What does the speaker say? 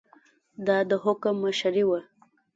دا د حکم مشري وه.